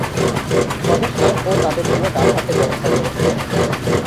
স্বদেশ নাগ তাদের জন্য ডাল-ভাতের ব্যবস্থা করেছিলেন।